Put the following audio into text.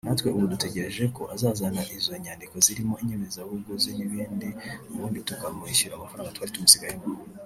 natwe ubu dutegereje ko azazana izo nyandiko zirimo inyemeza buguzi n’ibindi ubundi tukamwishyura amafaranga twari tumusigayemo